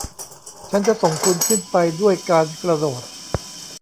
ฉันจะส่งคุณขึ้นไปด้วยการกระโดด